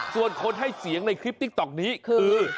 ส่วนคนให้เสียงในคลิปติ๊กต๊อกนี้คือ